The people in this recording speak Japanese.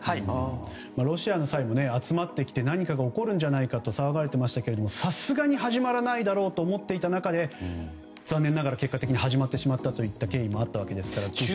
ロシアの際も集まってきて何かが起こるんじゃないかと騒がれていましたがさすがに始まらないだろうと思っていた中で残念ながら始まってしまった経緯もあるわけですから。